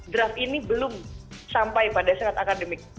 draft ini belum sampai pada sekat akademik